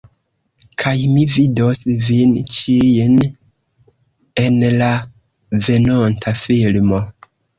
Kaj mi vidos vin ĉijn en la venonta filmo